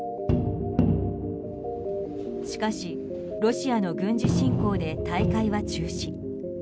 しかし、ロシアの軍事侵攻で大会は中止。